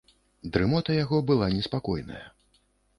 Дрымота яго была неспакойная.